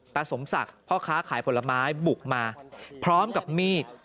สมศักดิ์พ่อค้าขายผลไม้บุกมาพร้อมกับมีด